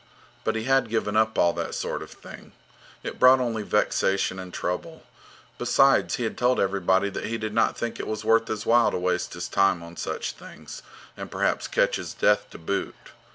But he had given up all that sort of thing. It brought only vexation and trouble. Besides, he had told everybody that he did not think it worth his while to waste his time on such things and perhaps catch his death to boot.